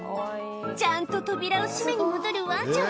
ちゃんと扉を閉めに戻るワンちゃん